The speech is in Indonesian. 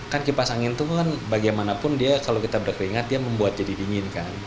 kan kipas angin itu kan bagaimanapun dia kalau kita berkeringat dia membuat jadi dingin kan